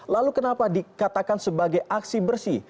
lalu kenapa dikatakan sebagai aksi bersih